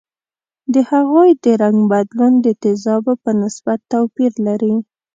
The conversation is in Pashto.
د هغوي د رنګ بدلون د تیزابو په نسبت توپیر لري.